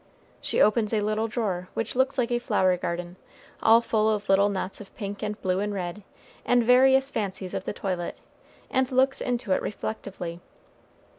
She opens a little drawer, which looks like a flower garden, all full of little knots of pink and blue and red, and various fancies of the toilet, and looks into it reflectively.